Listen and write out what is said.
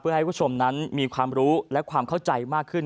เพื่อให้ผู้ชมนั้นมีความรู้และความเข้าใจมากขึ้น